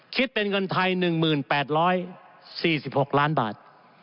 คิดเป็นเงินไทย๑๘๔๖ล้านบาท